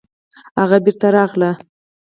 هغه بېرته راغله